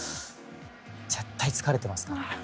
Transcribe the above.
絶対疲れてますから。